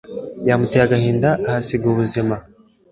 Byamuteye agahinda ahasiga ubuzima